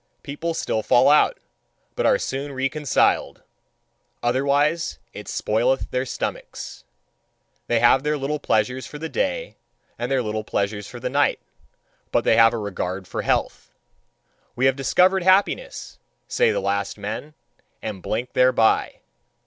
People still fall out, but are soon reconciled otherwise it spoileth their stomachs. They have their little pleasures for the day, and their little pleasures for the night, but they have a regard for health. "We have discovered happiness," say the last men, and blink thereby.